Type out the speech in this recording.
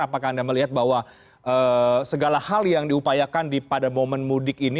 apakah anda melihat bahwa segala hal yang diupayakan pada momen mudik ini